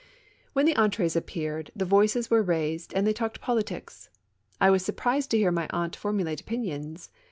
When the entrees appeared, the voices were raised and they talked politics. I was surprised to hear my aunt formulate opinions.